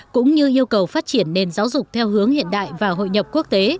cũng như yêu cầu phát triển nền giáo dục theo hướng hiện đại và hội nhập quốc tế